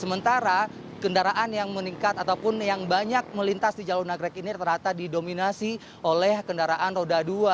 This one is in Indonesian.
sementara kendaraan yang meningkat ataupun yang banyak melintas di jalur nagrek ini rata rata didominasi oleh kendaraan roda dua